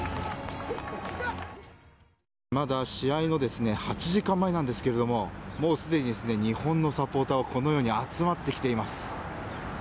まだ試合の８時間前ですがもうすでに日本のサポーターはこのように集まってきています。